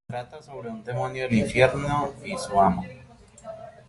Trata sobre un demonio del infierno y su amo.